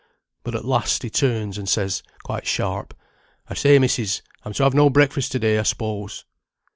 But at last he turns and says, quite sharp, "'I say, missis, I'm to have no breakfast to day, I s'pose.'